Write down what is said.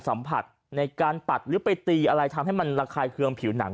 สัมผัสในการปัดหรือไปตีอะไรทำให้มันระคายเคืองผิวหนัง